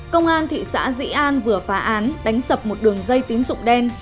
công an thị xã dĩ an vừa phá án đánh sập một đường dây tín dụng đen